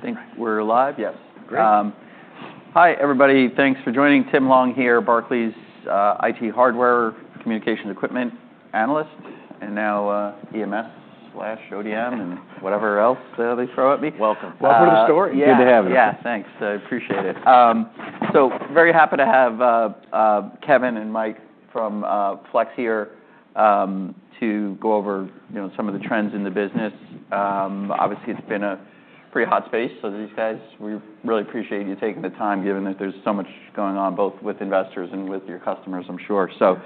I think we're live. Yes. Great. Hi, everybody. Thanks for joining. Tim Long here, Barclays' IT hardware, communications equipment analyst, and now EMS slash ODM and whatever else they throw at me. Welcome. Welcome to the story. Yeah. Good to have you. Yeah. Thanks. I appreciate it. So very happy to have Kevin and Mike from Flex here to go over, you know, some of the trends in the business. Obviously it's been a pretty hot space for these guys. We really appreciate you taking the time given that there's so much going on both with investors and with your customers, I'm sure. So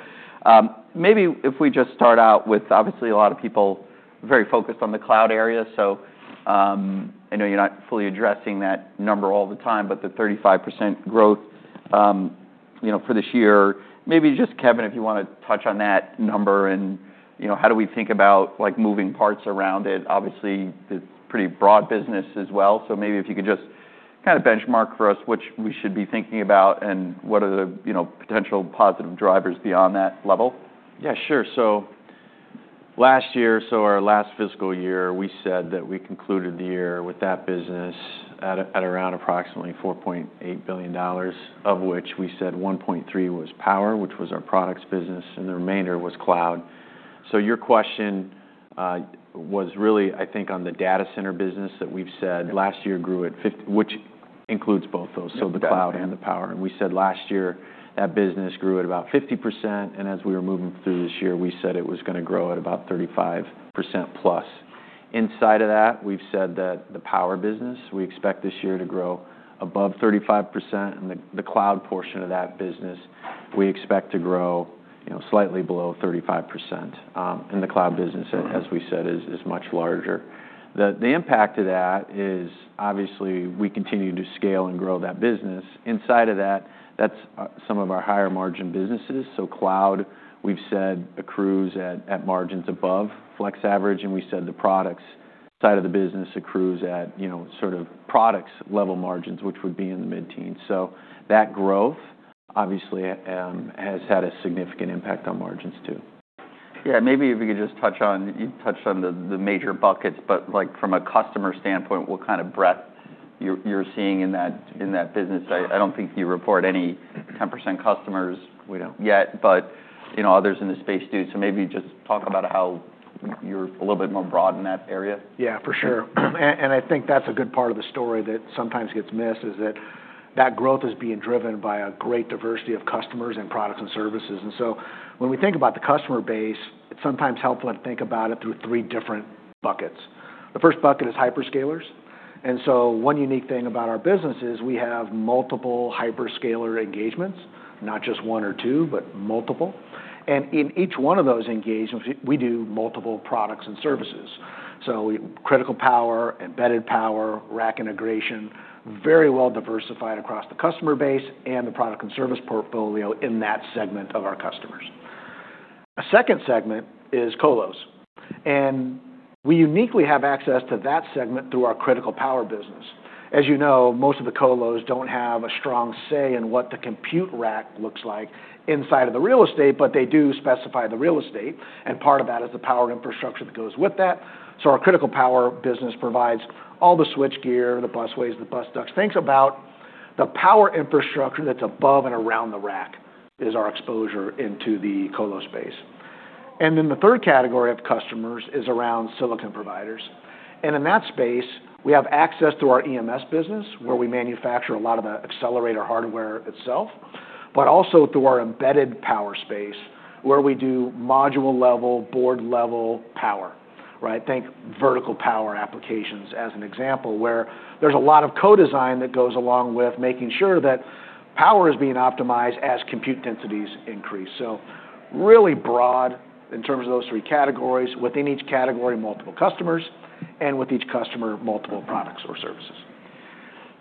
maybe if we just start out with obviously a lot of people very focused on the cloud area. So I know you're not fully addressing that number all the time, but the 35% growth you know, for this year. Maybe just Kevin, if you wanna touch on that number and you know, how do we think about like moving parts around it. Obviously it's a pretty broad business as well. So maybe if you could just kinda benchmark for us what we should be thinking about and what are the, you know, potential positive drivers beyond that level? Yeah. Sure. So last year, so our last fiscal year, we said that we concluded the year with that business at around approximately $4.8 billion, of which we said $1.3 billion was power, which was our products business, and the remainder was cloud. So your question was really I think on the data center business that we've said last year grew at 50%, which includes both those. So the cloud and the power. And we said last year that business grew at about 50%. And as we were moving through this year, we said it was gonna grow at about 35% plus. Inside of that, we've said that the power business we expect this year to grow above 35%. And the cloud portion of that business we expect to grow, you know, slightly below 35%. And the cloud business, as we said, is much larger. The impact of that is obviously we continue to scale and grow that business. Inside of that, that's some of our higher margin businesses, so cloud we've said accrues at margins above Flex average, and we said the products side of the business accrues at, you know, sort of products level margins, which would be in the mid-teens, so that growth obviously has had a significant impact on margins too. Yeah. Maybe if you could just touch on you touched on the major buckets, but like from a customer standpoint, what kind of breadth you're seeing in that business. I don't think you report any 10% customers. We don't. Yet. But, you know, others in the space do. So maybe just talk about how you're a little bit more broad in that area. Yeah. For sure. And I think that's a good part of the story that sometimes gets missed is that that growth is being driven by a great diversity of customers and products and services, and so when we think about the customer base, it's sometimes helpful to think about it through three different buckets. The first bucket is hyperscalers, and so one unique thing about our business is we have multiple hyperscaler engagements, not just one or two, but multiple, and in each one of those engagements, we do multiple products and services, so we critical power, embedded power, rack integration, very well diversified across the customer base and the product and service portfolio in that segment of our customers. A second segment is co-los, and we uniquely have access to that segment through our critical power business. As you know, most of the co-los don't have a strong say in what the compute rack looks like inside of the real estate, but they do specify the real estate. And part of that is the power infrastructure that goes with that. So our critical power business provides all the switchgear, the busways, the bus ducts. Things about the power infrastructure that's above and around the rack is our exposure into the co-lo space. And then the third category of customers is around silicon providers. And in that space, we have access through our EMS business where we manufacture a lot of the accelerator hardware itself, but also through our embedded power space where we do module level, board level power, right? Think vertical power applications as an example where there's a lot of co-design that goes along with making sure that power is being optimized as compute densities increase, so really broad in terms of those three categories. Within each category, multiple customers, and with each customer, multiple products or services.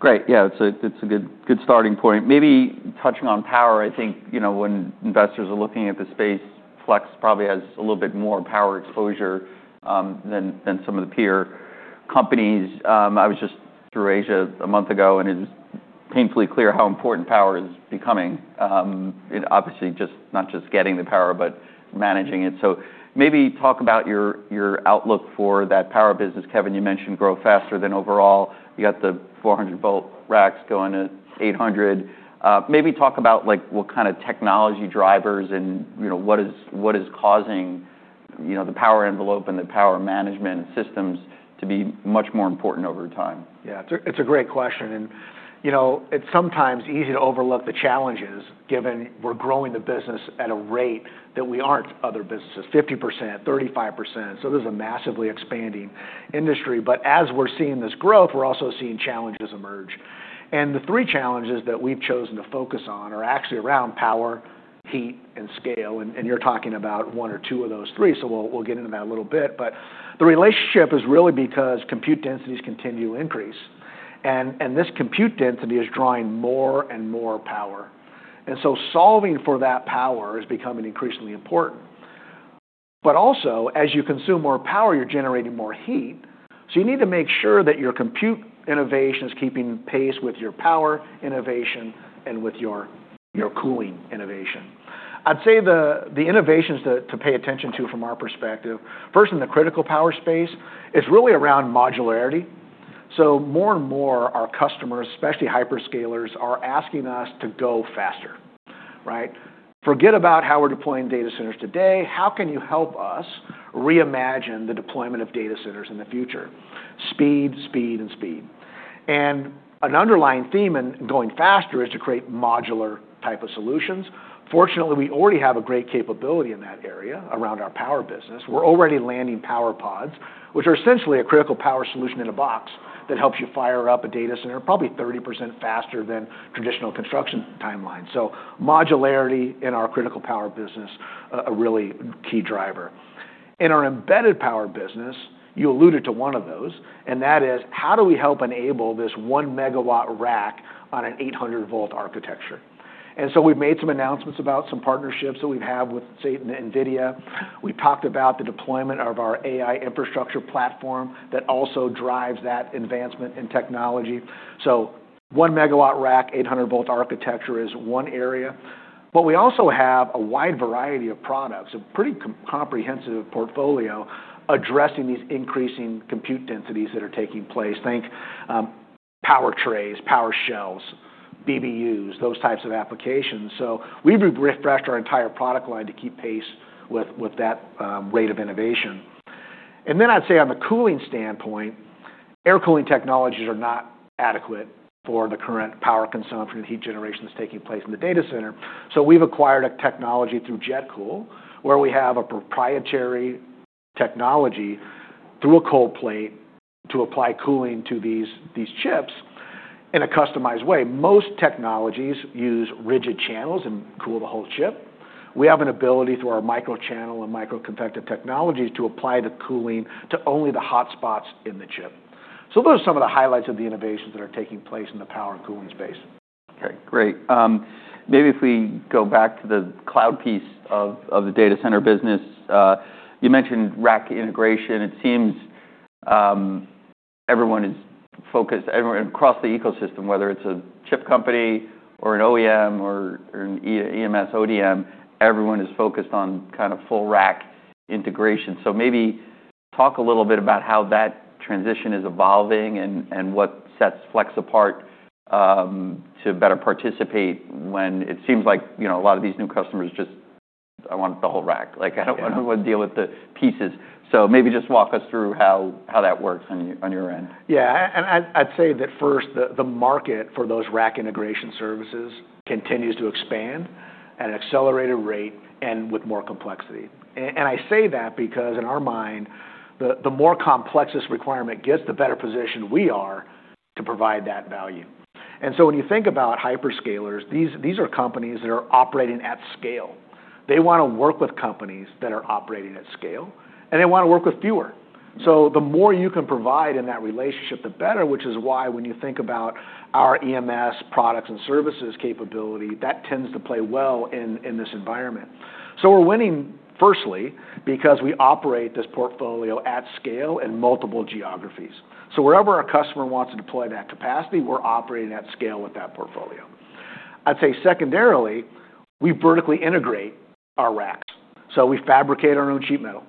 Great. Yeah. It's a good starting point. Maybe touching on power, I think, you know, when investors are looking at the space, Flex probably has a little bit more power exposure than some of the peer companies. I was just through Asia a month ago, and it was painfully clear how important power is becoming. It's obviously not just getting the power, but managing it. So maybe talk about your outlook for that power business. Kevin, you mentioned grow faster than overall. You got the 400-volt racks going at 800-volt. Maybe talk about like what kind of technology drivers and you know, what is causing, you know, the power envelope and the power management systems to be much more important over time. Yeah. It's a great question. And you know, it's sometimes easy to overlook the challenges given we're growing the business at a rate that we aren't other businesses, 50%, 35%. So this is a massively expanding industry. But as we're seeing this growth, we're also seeing challenges emerge. And the three challenges that we've chosen to focus on are actually around power, heat, and scale. And you're talking about one or two of those three. So we'll get into that a little bit. But the relationship is really because compute densities continue to increase. And this compute density is drawing more and more power. And so solving for that power is becoming increasingly important. But also, as you consume more power, you're generating more heat. So you need to make sure that your compute innovation is keeping pace with your power innovation and with your cooling innovation. I'd say the innovations to pay attention to from our perspective. First in the critical power space, it's really around modularity. More and more our customers, especially hyperscalers, are asking us to go faster, right? Forget about how we're deploying data centers today. How can you help us reimagine the deployment of data centers in the future? Speed, speed, and speed. An underlying theme in going faster is to create modular type of solutions. Fortunately, we already have a great capability in that area around our power business. We're already landing power pods, which are essentially a critical power solution in a box that helps you fire up a data center probably 30% faster than traditional construction timelines. So modularity in our critical power business, a really key driver. In our embedded power business, you alluded to one of those, and that is how do we help enable this one megawatt rack on an 800-volt architecture? And so we've made some announcements about some partnerships that we've had with, say, NVIDIA. We've talked about the deployment of our AI infrastructure platform that also drives that advancement in technology. So one megawatt rack, 800-volt architecture is one area. But we also have a wide variety of products, a pretty comprehensive portfolio addressing these increasing compute densities that are taking place. Think power trays, power shelves, BBUs, those types of applications. So we've refreshed our entire product line to keep pace with that rate of innovation. And then I'd say on the cooling standpoint, air cooling technologies are not adequate for the current power consumption and heat generation that's taking place in the data center. So we've acquired a technology through JetCool where we have a proprietary technology through a cold plate to apply cooling to these chips in a customized way. Most technologies use rigid channels and cool the whole chip. We have an ability through our microchannel and microconvective technologies to apply the cooling to only the hotspots in the chip. So those are some of the highlights of the innovations that are taking place in the power and cooling space. Okay. Great. Maybe if we go back to the cloud piece of the data center business, you mentioned rack integration. It seems everyone is focused, everyone across the ecosystem, whether it's a chip company or an OEM or an EMS ODM, everyone is focused on kind of full rack integration. So maybe talk a little bit about how that transition is evolving and what sets Flex apart to better participate when it seems like, you know, a lot of these new customers just, "I want the whole rack. Like, I don't wanna deal with the pieces." So maybe just walk us through how that works on your end. Yeah. And I'd say that first, the market for those rack integration services continues to expand at an accelerated rate and with more complexity. And I say that because in our mind, the more complex this requirement gets, the better position we are to provide that value. And so when you think about hyperscalers, these are companies that are operating at scale. They wanna work with companies that are operating at scale, and they wanna work with fewer. So the more you can provide in that relationship, the better, which is why when you think about our EMS products and services capability, that tends to play well in this environment. So we're winning firstly because we operate this portfolio at scale in multiple geographies. So wherever our customer wants to deploy that capacity, we're operating at scale with that portfolio. I'd say secondarily, we vertically integrate our racks. So we fabricate our own sheet metal,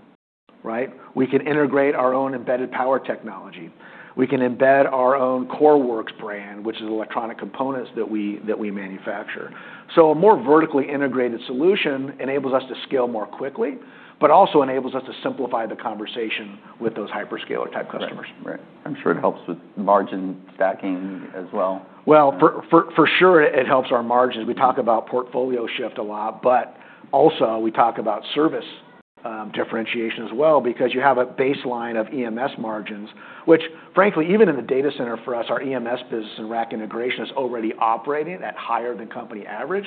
right? We can integrate our own embedded power technology. We can embed our own CoreWorks brand, which is electronic components that we manufacture. So a more vertically integrated solution enables us to scale more quickly, but also enables us to simplify the conversation with those hyperscaler type customers. Right. Right. I'm sure it helps with margin stacking as well. For sure, it helps our margins. We talk about portfolio shift a lot, but also we talk about service differentiation as well because you have a baseline of EMS margins, which frankly, even in the data center for us, our EMS business and rack integration is already operating at higher than company average.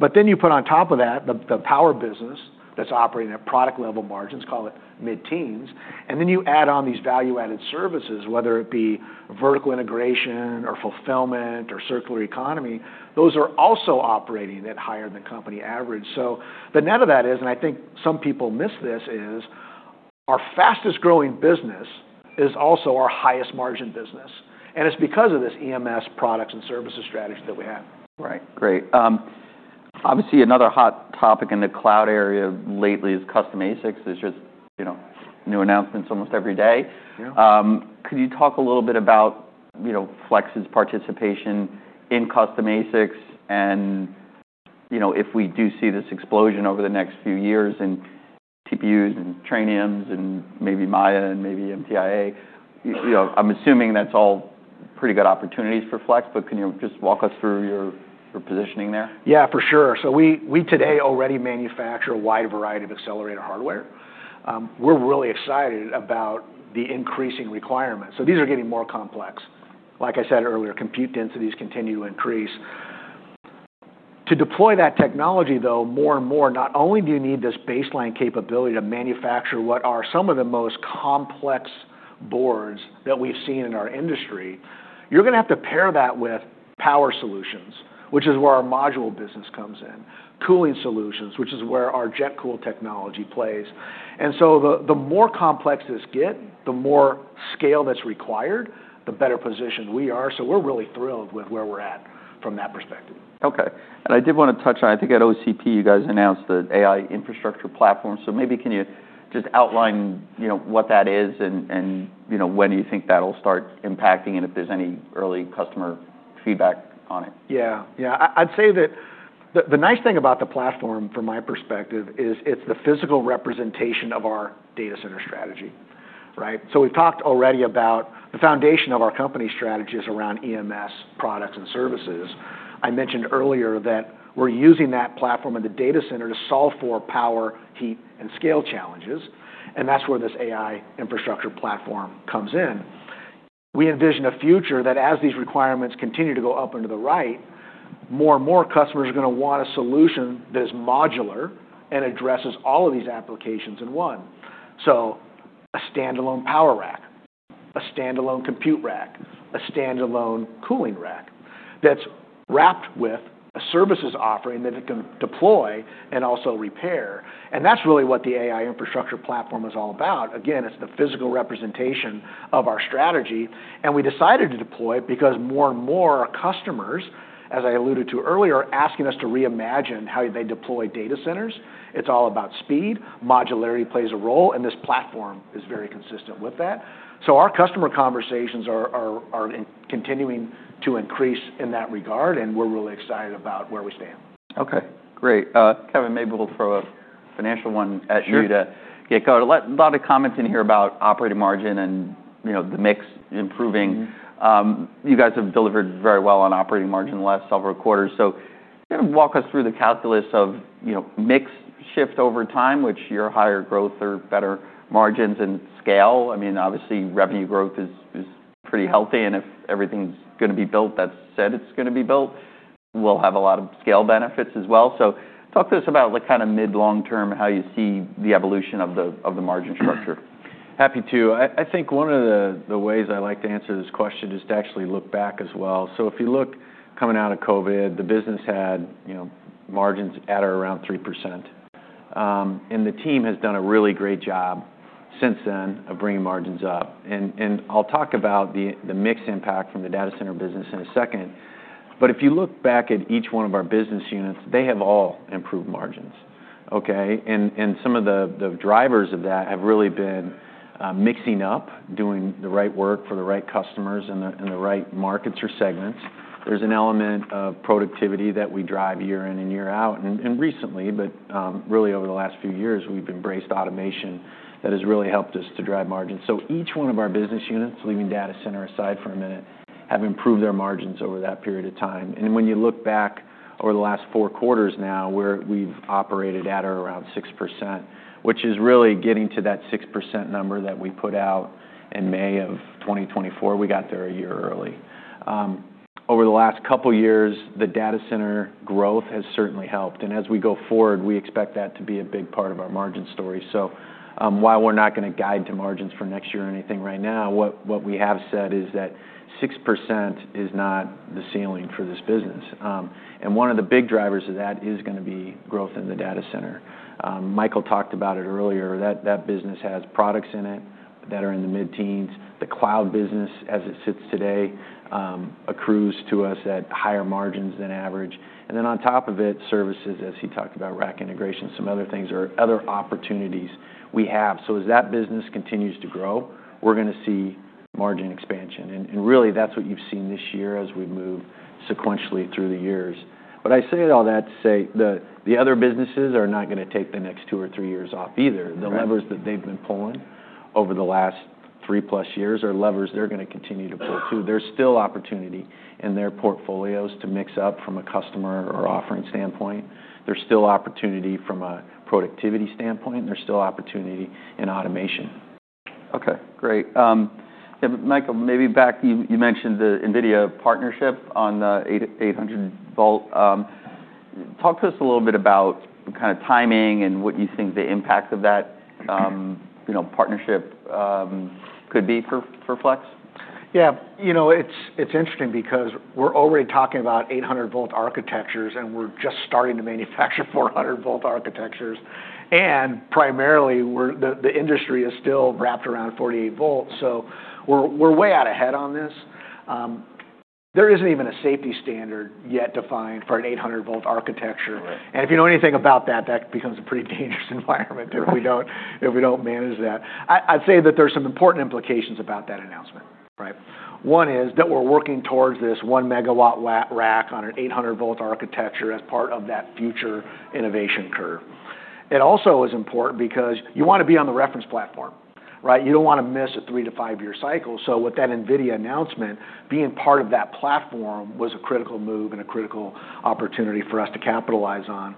But then you put on top of that the power business that's operating at product level margins, call it mid-teens, and then you add on these value-added services, whether it be vertical integration or fulfillment or circular economy, those are also operating at higher than company average. So the net of that is, and I think some people miss this, is our fastest growing business is also our highest margin business. And it's because of this EMS products and services strategy that we have. Right. Great. Obviously another hot topic in the cloud area lately is custom ASICs. There's just, you know, new announcements almost every day. Yeah. Could you talk a little bit about, you know, Flex's participation in custom ASICs and, you know, if we do see this explosion over the next few years in TPUs and Trainiums and maybe MAIA and maybe MTIA? You know, I'm assuming that's all pretty good opportunities for Flex, but can you just walk us through your positioning there? Yeah. For sure. So we, we today already manufacture a wide variety of accelerator hardware. We're really excited about the increasing requirements. So these are getting more complex. Like I said earlier, compute densities continue to increase. To deploy that technology though, more and more, not only do you need this baseline capability to manufacture what are some of the most complex boards that we've seen in our industry, you're gonna have to pair that with power solutions, which is where our module business comes in, cooling solutions, which is where our JetCool technology plays. And so the, the more complex this get, the more scale that's required, the better position we are. So we're really thrilled with where we're at from that perspective. Okay. And I did wanna touch on, I think at OCP you guys announced the AI infrastructure platform. So maybe can you just outline, you know, what that is and, you know, when you think that'll start impacting and if there's any early customer feedback on it? Yeah. Yeah. I'd say that the nice thing about the platform from my perspective is it's the physical representation of our data center strategy, right? So we've talked already about the foundation of our company strategy is around EMS products and services. I mentioned earlier that we're using that platform in the data center to solve for power, heat, and scale challenges. And that's where this AI infrastructure platform comes in. We envision a future that as these requirements continue to go up and to the right, more and more customers are gonna want a solution that is modular and addresses all of these applications in one. So a standalone power rack, a standalone compute rack, a standalone cooling rack that's wrapped with a services offering that it can deploy and also repair. And that's really what the AI infrastructure platform is all about. Again, it's the physical representation of our strategy. And we decided to deploy it because more and more customers, as I alluded to earlier, are asking us to reimagine how they deploy data centers. It's all about speed. Modularity plays a role, and this platform is very consistent with that. So our customer conversations are continuing to increase in that regard, and we're really excited about where we stand. Okay. Great. Kevin, maybe we'll throw a financial one at you to get going. A lot, a lot of comments in here about operating margin and, you know, the mix improving. You guys have delivered very well on operating margin the last several quarters. So kind of walk us through the calculus of, you know, mix shift over time, with your higher growth or better margins and scale. I mean, obviously revenue growth is pretty healthy. And if everything's gonna be built, that said it's gonna be built, we'll have a lot of scale benefits as well. So talk to us about the kind of mid-long term, how you see the evolution of the margin structure. Happy to. I think one of the ways I like to answer this question is to actually look back as well. So if you look coming out of COVID, the business had, you know, margins at or around 3%. And the team has done a really great job since then of bringing margins up. And I'll talk about the mix impact from the data center business in a second. But if you look back at each one of our business units, they have all improved margins, okay? And some of the drivers of that have really been mixing up, doing the right work for the right customers in the right markets or segments. There's an element of productivity that we drive year in and year out. And recently, really over the last few years, we've embraced automation that has really helped us to drive margins. So each one of our business units, leaving data center aside for a minute, have improved their margins over that period of time. And when you look back over the last four quarters now, where we've operated at or around 6%, which is really getting to that 6% number that we put out in May of 2024, we got there a year early. Over the last couple of years, the data center growth has certainly helped. And as we go forward, we expect that to be a big part of our margin story. So, while we're not gonna guide to margins for next year or anything right now, what we have said is that 6% is not the ceiling for this business. And one of the big drivers of that is gonna be growth in the data center. Michael talked about it earlier. That, that business has products in it that are in the mid-teens. The cloud business, as it sits today, accrues to us at higher margins than average. And then on top of it, services, as he talked about, rack integration, some other things or other opportunities we have. So as that business continues to grow, we're gonna see margin expansion. And, and really that's what you've seen this year as we move sequentially through the years. But I say all that to say the, the other businesses are not gonna take the next two or three years off either. The levers that they've been pulling over the last three plus years are levers they're gonna continue to pull too. There's still opportunity in their portfolios to mix up from a customer or offering standpoint. There's still opportunity from a productivity standpoint, and there's still opportunity in automation. Okay. Great, and Michael, maybe back, you mentioned the NVIDIA partnership on the 800-volt. Talk to us a little bit about kind of timing and what you think the impact of that, you know, partnership could be for Flex? Yeah. You know, it's interesting because we're already talking about 800-volt architectures, and we're just starting to manufacture 400-volt architectures, and primarily, the industry is still wrapped around 48 volts. So we're way out ahead on this. There isn't even a safety standard yet defined for an 800-volt architecture. Right. And if you know anything about that, that becomes a pretty dangerous environment if we don't manage that. I'd say that there's some important implications about that announcement, right? One is that we're working towards this one-megawatt rack on an 800-volt architecture as part of that future innovation curve. It also is important because you wanna be on the reference platform, right? You don't wanna miss a three-to-five-year cycle. So with that NVIDIA announcement, being part of that platform was a critical move and a critical opportunity for us to capitalize on.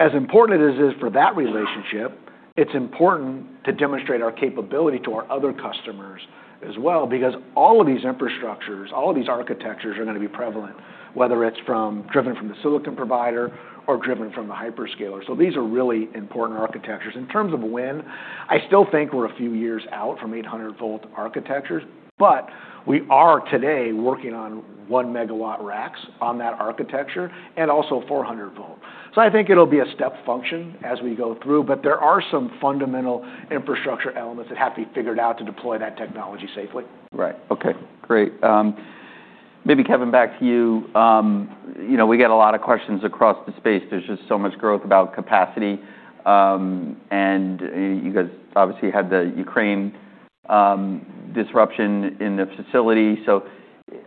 As important as it is for that relationship, it's important to demonstrate our capability to our other customers as well because all of these infrastructures, all of these architectures are gonna be prevalent, whether it's driven from the silicon provider or driven from the hyperscaler. These are really important architectures. In terms of win, I still think we're a few years out from 800-volt architectures, but we are today working on one megawatt racks on that architecture and also 400-volt. I think it'll be a step function as we go through, but there are some fundamental infrastructure elements that have to be figured out to deploy that technology safely. Right. Okay. Great. Maybe Kevin, back to you. You know, we get a lot of questions across the space. There's just so much growth about capacity, and you guys obviously had the Ukraine disruption in the facility, so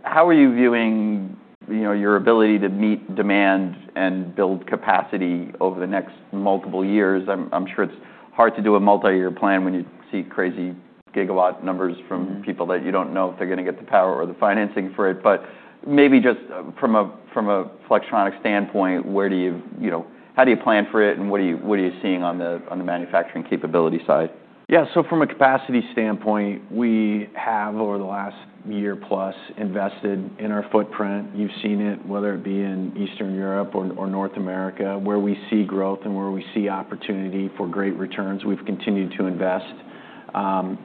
how are you viewing, you know, your ability to meet demand and build capacity over the next multiple years? I'm sure it's hard to do a multi-year plan when you see crazy gigawatt numbers from people that you don't know if they're gonna get the power or the financing for it, but maybe just from a Flextronics standpoint, where do you, you know, how do you plan for it, and what are you seeing on the manufacturing capability side? Yeah. So from a capacity standpoint, we have over the last year plus invested in our footprint. You've seen it, whether it be in Eastern Europe or North America, where we see growth and where we see opportunity for great returns. We've continued to invest.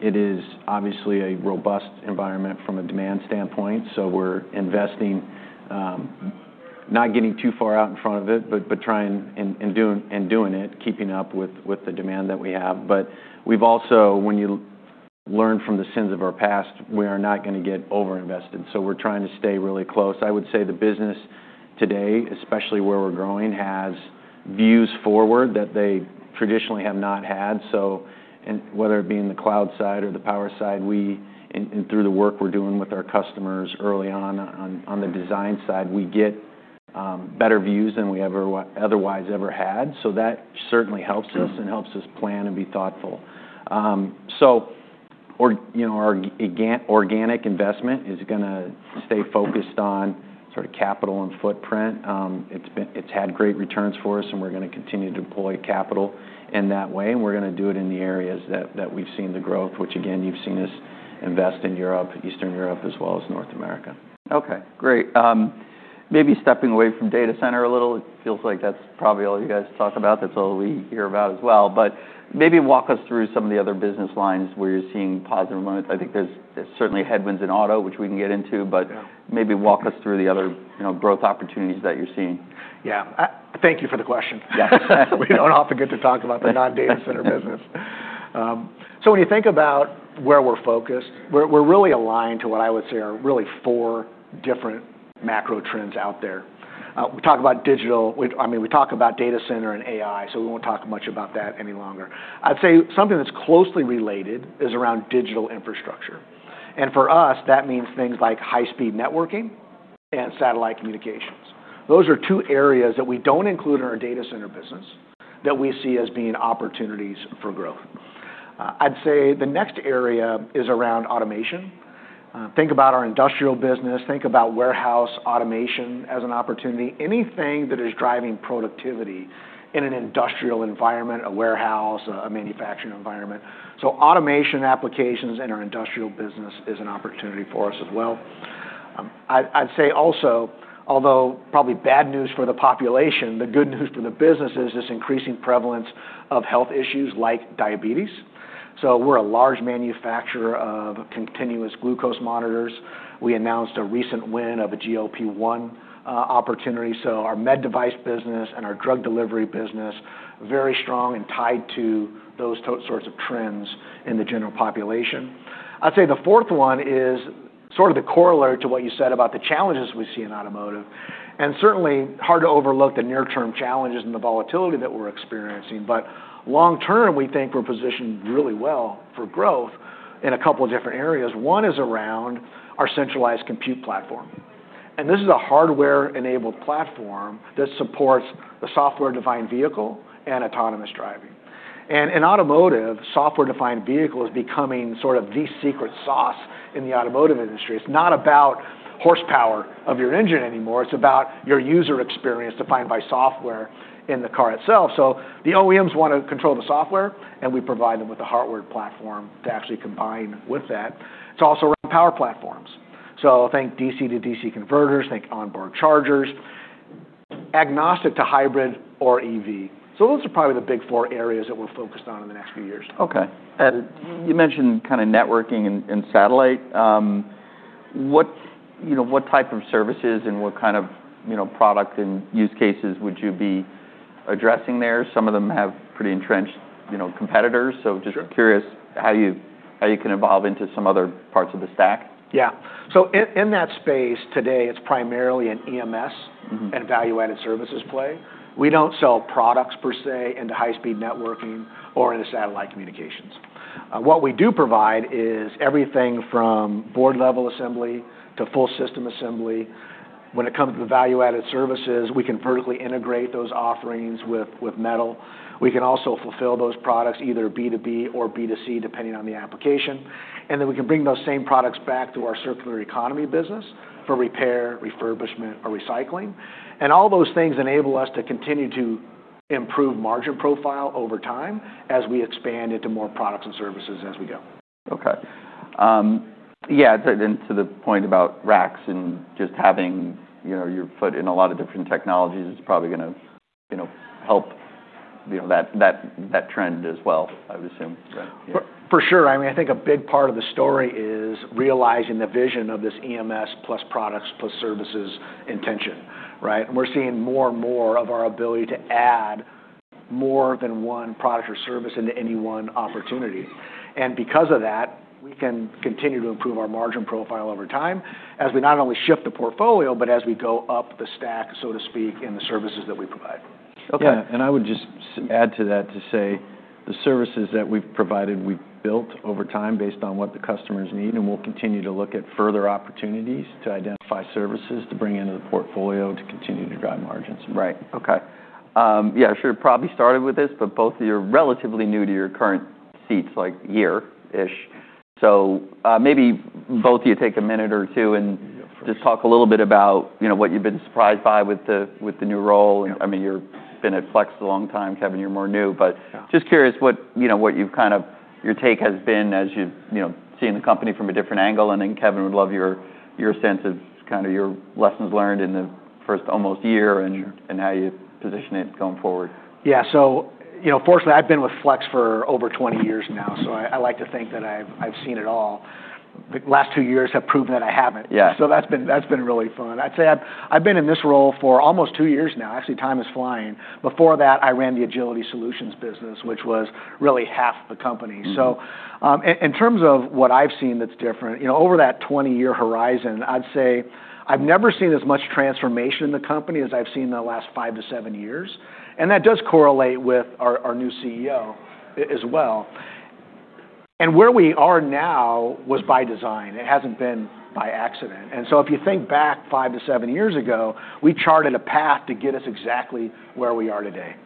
It is obviously a robust environment from a demand standpoint. So we're investing, not getting too far out in front of it, but trying and doing it, keeping up with the demand that we have. But we've also, when you learn from the sins of our past, we are not gonna get overinvested. So we're trying to stay really close. I would say the business today, especially where we're growing, has views forward that they traditionally have not had. Whether it be in the cloud side or the power side, and through the work we're doing with our customers early on the design side, we get better views than we ever otherwise had. That certainly helps us plan and be thoughtful. Our, you know, organic investment is gonna stay focused on sort of capital and footprint. It's had great returns for us, and we're gonna continue to deploy capital in that way. We're gonna do it in the areas that we've seen the growth, which again, you've seen us invest in Europe, Eastern Europe, as well as North America. Okay. Great. Maybe stepping away from data center a little, it feels like that's probably all you guys talk about. That's all we hear about as well. But maybe walk us through some of the other business lines where you're seeing positive momentum. I think there's certainly headwinds in auto, which we can get into, but maybe walk us through the other, you know, growth opportunities that you're seeing. Yeah. I thank you for the question. Yeah. We don't often get to talk about the non-data center business, so when you think about where we're focused, we're really aligned to what I would say are really four different macro trends out there. We talk about digital, which, I mean, we talk about data center and AI, so we won't talk much about that any longer. I'd say something that's closely related is around digital infrastructure, and for us, that means things like high-speed networking and satellite communications. Those are two areas that we don't include in our data center business that we see as being opportunities for growth. I'd say the next area is around automation. Think about our industrial business. Think about warehouse automation as an opportunity. Anything that is driving productivity in an industrial environment, a warehouse, a manufacturing environment, so automation applications in our industrial business is an opportunity for us as well. I'd say also, although probably bad news for the population, the good news for the business is this increasing prevalence of health issues like diabetes. So we're a large manufacturer of continuous glucose monitors. We announced a recent win of a GLP-1 opportunity. So our med device business and our drug delivery business, very strong and tied to those sorts of trends in the general population. I'd say the fourth one is sort of the corollary to what you said about the challenges we see in automotive. And certainly hard to overlook the near-term challenges and the volatility that we're experiencing. But long-term, we think we're positioned really well for growth in a couple of different areas. One is around our centralized compute platform. And this is a hardware-enabled platform that supports the software-defined vehicle and autonomous driving. In automotive, software-defined vehicle is becoming sort of the secret sauce in the automotive industry. It's not about horsepower of your engine anymore. It's about your user experience defined by software in the car itself. The OEMs wanna control the software, and we provide them with a hardware platform to actually combine with that. It's also around power platforms. Think DC-to-DC converters, think onboard chargers, agnostic to hybrid or EV. Those are probably the big four areas that we're focused on in the next few years. Okay. And you mentioned kind of networking and satellite. What, you know, what type of services and what kind of, you know, product and use cases would you be addressing there? Some of them have pretty entrenched, you know, competitors. So just curious how you can evolve into some other parts of the stack? Yeah. So in that space today, it's primarily an EMS and value-added services play. We don't sell products per se into high-speed networking or into satellite communications. What we do provide is everything from board-level assembly to full system assembly. When it comes to value-added services, we can vertically integrate those offerings with metal. We can also fulfill those products either B2B or B2C, depending on the application. And then we can bring those same products back to our circular economy business for repair, refurbishment, or recycling. And all those things enable us to continue to improve margin profile over time as we expand into more products and services as we go. Okay, yeah, and to the point about racks and just having, you know, your foot in a lot of different technologies, it's probably gonna, you know, help, you know, that trend as well, I would assume. Right. Yeah. For sure. I mean, I think a big part of the story is realizing the vision of this EMS plus products plus services intention, right? And we're seeing more and more of our ability to add more than one product or service into any one opportunity. And because of that, we can continue to improve our margin profile over time as we not only shift the portfolio, but as we go up the stack, so to speak, in the services that we provide. Okay. Yeah. And I would just add to that to say the services that we've provided, we've built over time based on what the customers need, and we'll continue to look at further opportunities to identify services to bring into the portfolio to continue to drive margins. Right. Okay. Yeah, I should have probably started with this, but both of you are relatively new to your current seats, like year-ish, so maybe both of you take a minute or two and just talk a little bit about, you know, what you've been surprised by with the, with the new role, and I mean, you've been at Flex a long time, Kevin. You're more new, but just curious what, you know, what you've kind of, your take has been as you've, you know, seen the company from a different angle, and then Kevin would love your, your sense of kind of your lessons learned in the first almost year and, and how you position it going forward. Yeah. So, you know, fortunately, I've been with Flex for over 20 years now, so I like to think that I've seen it all. The last two years have proven that I haven't. Yeah. So that's been really fun. I'd say I've been in this role for almost two years now. Actually, time is flying. Before that, I ran the Agility Solutions business, which was really half the company. So, in terms of what I've seen that's different, you know, over that 20-year horizon, I'd say I've never seen as much transformation in the company as I've seen in the last five to seven years. And that does correlate with our new CEO as well. And where we are now was by design. It hasn't been by accident. And so if you think back five to seven years ago, we charted a path to get us exactly where we are today.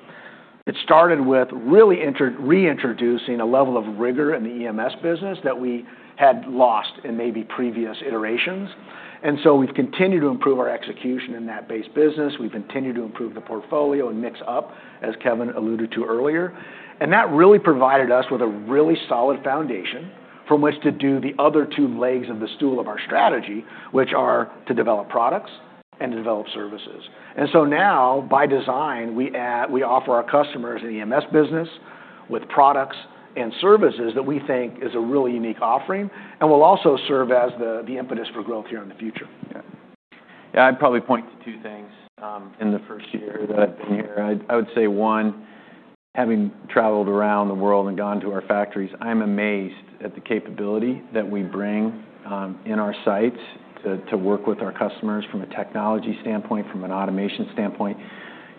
It started with really reintroducing a level of rigor in the EMS business that we had lost in maybe previous iterations. And so we've continued to improve our execution in that base business. We've continued to improve the portfolio and mix up, as Kevin alluded to earlier. And that really provided us with a really solid foundation from which to do the other two legs of the stool of our strategy, which are to develop products and to develop services. And so now, by design, we add, we offer our customers in the EMS business with products and services that we think is a really unique offering and will also serve as the impetus for growth here in the future. Yeah. Yeah. I'd probably point to two things in the first year that I've been here. I would say one, having traveled around the world and gone to our factories, I'm amazed at the capability that we bring in our sites to work with our customers from a technology standpoint, from an automation standpoint.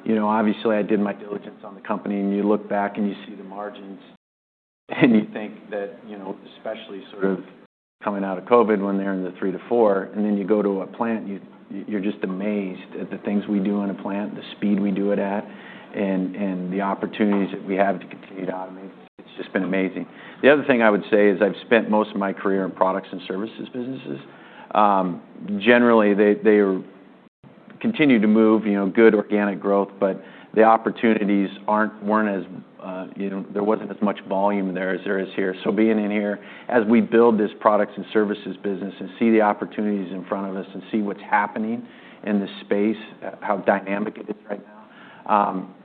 You know, obviously, I did my diligence on the company, and you look back and you see the margins and you think that, you know, especially sort of coming out of COVID when they're in the three to four, and then you go to a plant and you're just amazed at the things we do on a plant, the speed we do it at, and the opportunities that we have to continue to automate. It's just been amazing. The other thing I would say is I've spent most of my career in products and services businesses. Generally, they continue to move, you know, good organic growth, but the opportunities weren't as, you know, there wasn't as much volume there as there is here. So being in here as we build this products and services business and see the opportunities in front of us and see what's happening in this space, how dynamic it is right now,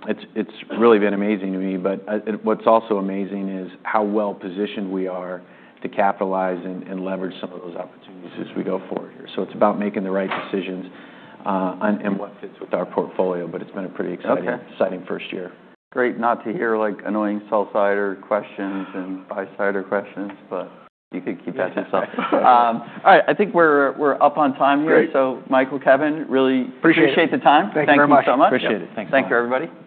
it's really been amazing to me. But what's also amazing is how well-positioned we are to capitalize and leverage some of those opportunities as we go forward here. So it's about making the right decisions and what fits with our portfolio. But it's been a pretty exciting first year. Okay. Great. Not to hear like annoying sell-sider questions and buy-sider questions, but you could keep that to yourself. All right. I think we're up on time here. So Michael, Kevin, really appreciate the time. Thank you very much. Thank you so much. Appreciate it. Thanks a lot. Thank you, everybody. Great.